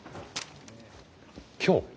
今日？